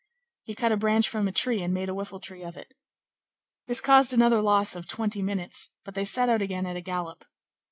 He cut a branch from a tree and made a whiffle tree of it. This caused another loss of twenty minutes; but they set out again at a gallop.